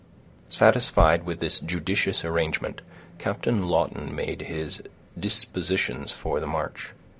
Satisfied with this judicious arrangement, Captain Lawton made his dispositions for the march.